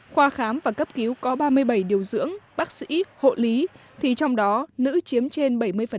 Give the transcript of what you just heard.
khoa khám và cấp cứu có ba mươi bảy điều dưỡng bác sĩ hộ lý thì trong đó nữ chiếm trên bảy mươi